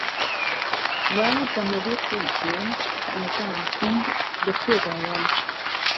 وە دەمەوێ پێت بڵێم کە ئازاری سنگ لە کوێدایه